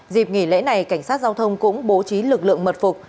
dịp nghỉ lễ này cảnh sát giao thông cũng bố trí lực lượng mật phục